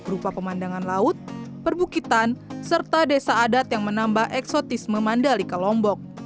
berupa pemandangan laut perbukitan serta desa adat yang menambah eksotisme mandalika lombok